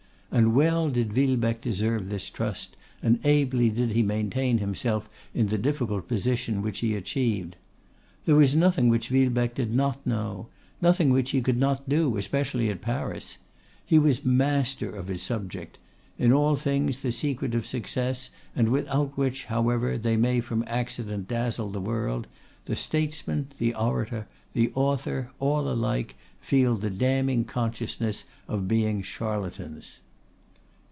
And well did Villebecque deserve this trust, and ably did he maintain himself in the difficult position which he achieved. There was nothing which Villebecque did not know, nothing which he could not do, especially at Paris. He was master of his subject; in all things the secret of success, and without which, however they may from accident dazzle the world, the statesman, the orator, the author, all alike feel the damning consciousness of being charlatans.